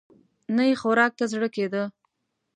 نه يې خوراک ته زړه کېده.